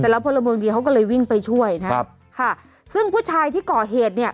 แล้วพลเมืองดีเขาก็เลยวิ่งไปช่วยนะครับค่ะซึ่งผู้ชายที่ก่อเหตุเนี่ย